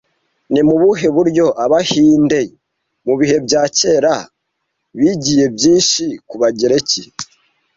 Ni mu buhe buryo Abahinde mu bihe bya kera bigiye byinshi ku Bagereki